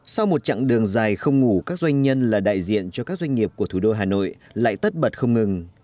sau một chặng đường dài không ngủ các doanh nhân là đại diện cho các doanh nghiệp của thủ đô hà nội lại tất bật không ngừng